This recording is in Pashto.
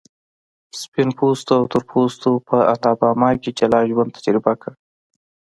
سپین پوستو او تور پوستو په الاباما کې جلا ژوند تجربه کړ.